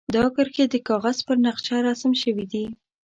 دا کرښې د کاغذ پر نقشه رسم شوي دي.